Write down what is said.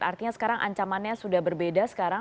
artinya sekarang ancamannya sudah berbeda sekarang